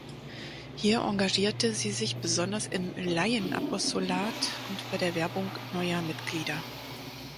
Hier engagierte sie sich besonders im Laienapostolat und bei der Werbung neuer Mitglieder.